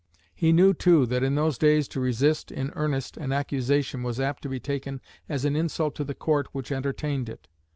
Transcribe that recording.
He knew, too, that in those days to resist in earnest an accusation was apt to be taken as an insult to the court which entertained it.